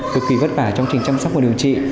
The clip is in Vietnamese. cực kỳ vất vả trong trình chăm sóc và điều trị